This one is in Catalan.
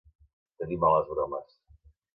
Tenir males bromes.